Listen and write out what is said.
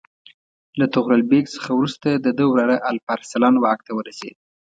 له طغرل بیګ څخه وروسته د ده وراره الپ ارسلان واک ته ورسېد.